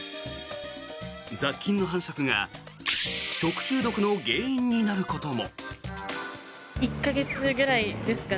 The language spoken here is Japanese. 雑菌の繁殖が食中毒の原因になることも。